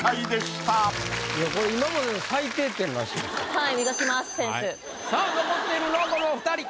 はいさあ残っているのはこのお２人。